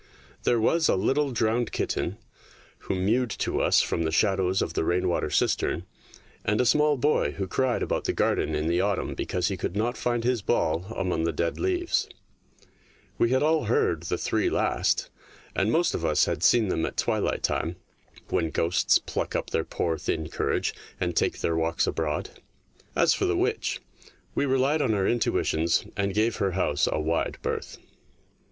There was a little drowned kitten who mewed to us from the shadows of the rain water cistern, and a small boy who cried about the garden in the autumn because he could not find his ball among the dead 16 THE MAGIC POOL 17 leaves. We had all heard the three last, and most of us had seen them at twilight time, when ghosts pluck up their poor thin courage and take their walks abroad. As for the witch, we relied on our intuitions and gave her house a wide berth.